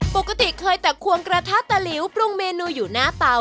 ปกติเคยแต่ควงกระทะตะหลิวปรุงเมนูอยู่หน้าเตา